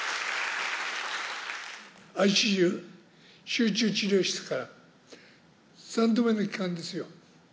ＩＣＵ、集中治療室から、３度目の帰還ですよ。